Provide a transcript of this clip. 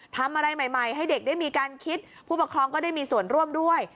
ทำอะไรใหม่ให้เด็กได้มีการคิดผู้ปกครองก็ได้มีส่วนร่วมด้วย